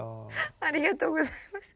ありがとうございます。